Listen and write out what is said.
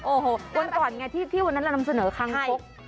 โอ้โหวันก่อนไงที่วันนั้นเรานำเสนอคังคก